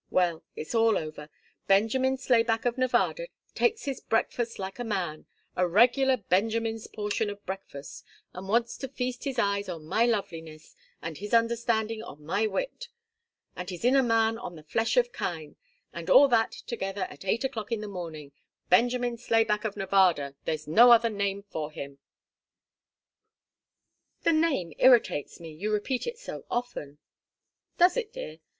Well, it's all over. Benjamin Slayback of Nevada takes his breakfast like a man a regular Benjamin's portion of breakfast, and wants to feast his eyes on my loveliness, and his understanding on my wit, and his inner man on the flesh of kine and all that together at eight o'clock in the morning Benjamin Slayback of Nevada there's no other name for him!" "The name irritates me you repeat it so often!" "Does it, dear?